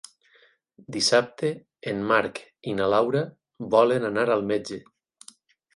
Dissabte en Marc i na Laura volen anar al metge.